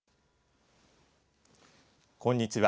こんにちは。